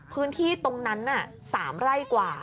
พื้นที่ตรงนั้น๓ไร่กว่า